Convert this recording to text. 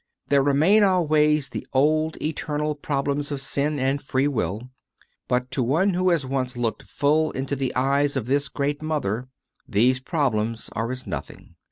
There remain always the old eternal problems of sin and free will; but to one who has once looked full into the eyes of this great Mother, these problems are as nothing.